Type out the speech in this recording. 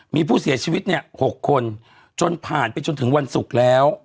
มีผู้เสียชีวิตเนี่ย๖คนจนผ่านไปจนถึงวันศุกร์แล้ว